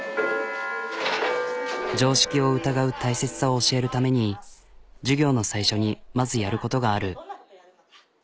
常識を疑う大切さを教えるために授業の最初にまずやることがある。